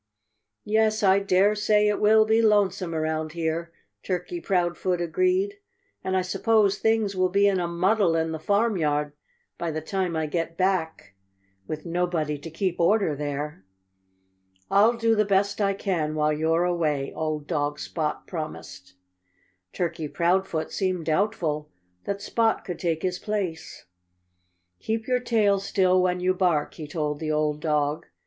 "Yes, I dare say it will be lonesome around here," Turkey Proudfoot agreed. "And I suppose things will be in a muddle in the farmyard by the time I get back, with nobody to keep order there." "I'll do the best I can while you're away," old dog Spot promised. Turkey Proudfoot seemed doubtful that Spot could take his place. "Keep your tail still when you bark," he told the old dog.